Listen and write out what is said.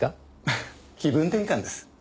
フフ気分転換です。